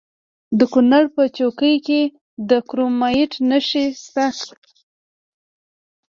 د کونړ په څوکۍ کې د کرومایټ نښې شته.